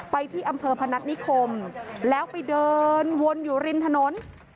ที่อำเภอพนัฐนิคมแล้วไปเดินวนอยู่ริมถนน